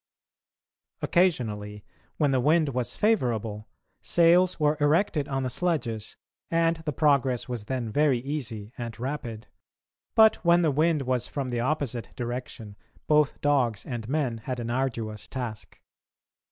Occasionally, when the wind was favourable, sails were erected on the sledges and the progress was then very easy and rapid; but when the wind was from the opposite direction both dogs and men had an arduous task.